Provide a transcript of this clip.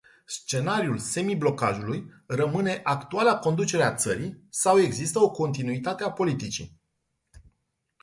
Scenariul semiblocajului rămâne actuala conducere a țării sau există o continuitate a politicii.